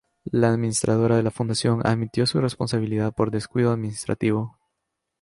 La administradora de la Fundación admitió su responsabilidad por descuido administrativo.